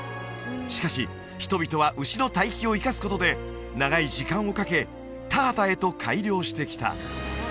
しかし人々は牛の堆肥を生かすことで長い時間をかけ田畑へと改良してきた